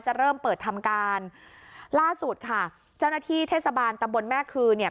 เริ่มเปิดทำการล่าสุดค่ะเจ้าหน้าที่เทศบาลตำบลแม่คือเนี่ย